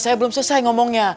saya belum selesai ngomongnya